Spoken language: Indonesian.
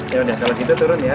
ya udah kalau gitu turun ya